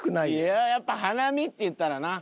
いややっぱり花見っていったらな。